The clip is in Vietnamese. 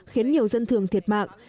khiến nhiều dân thường thiệt mạng